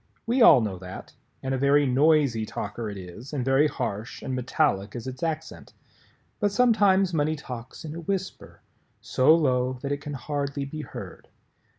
We all know that, and a very noisy talker it is and very harsh and metallic is its accent. But sometimes money talks in a whisper, so low that it can hardly be heard.